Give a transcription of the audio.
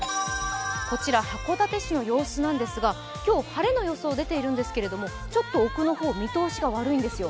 こちら函館市の様子なんですが、今日晴れの予想なんですがちょっと奥の方、見通しが悪いんですよ。